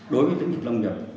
đối với tỉnh lâm nhập